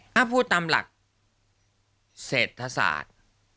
ถ้าพูดตามหลักเศรษฐศาสตร์